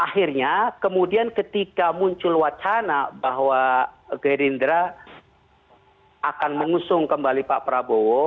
akhirnya kemudian ketika muncul wacana bahwa gerindra akan mengusung kembali pak prabowo